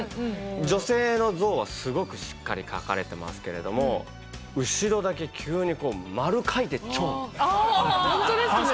女性の像はすごくしっかり描かれてますけれども後ろだけ急にこうあ！ほんとですね。